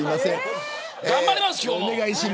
頑張ります、今日も。